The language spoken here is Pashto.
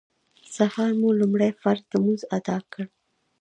سهار مو لومړی فرض لمونځ اداء کړ.